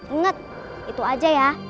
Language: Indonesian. inget itu aja ya